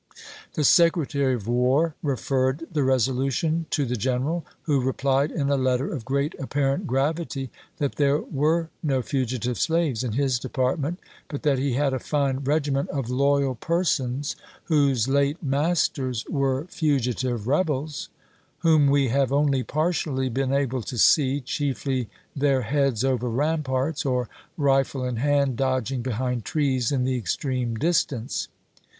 The Secretary of 1862. War referred the resolution to the general, who replied, in a letter of great apparent gravity, that there were no fugitive slaves in his department, but that he had a fine regiment of loyal persons whose late masters were fugitive rebels, " whom we have only partially been able to see — chiefly their heads over ramparts, or, rifle in hand, dodging behind trees in the extreme distance.